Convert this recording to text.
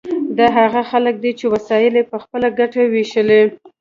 دا هغه خلک دي چې وسایل یې په خپله ګټه ویشلي.